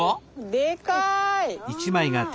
でかい！